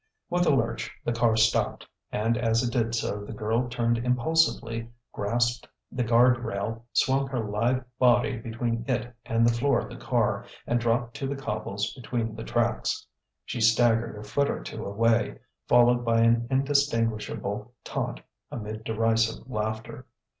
With a lurch, the car stopped; and as it did so the girl turned impulsively, grasped the guard rail, swung her lithe body between it and the floor of the car, and dropped to the cobbles between the tracks. She staggered a foot or two away, followed by an indistinguishable taunt amid derisive laughter.